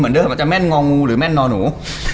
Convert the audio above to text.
มันจะแม่นเงางูรือแม่นนอนู